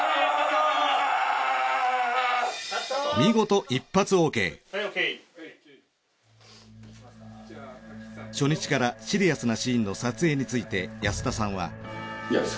みごと初日からシリアスなシーンの撮影について安田さんは。